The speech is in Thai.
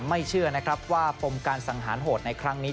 ไม่เชื่อว่าปมการสังหารโหดในครั้งนี้